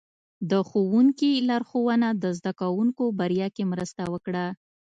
د ښوونکي لارښوونه د زده کوونکو بریا کې مرسته وکړه.